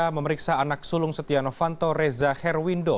memeriksa anak sulung setia novanto reza herwindo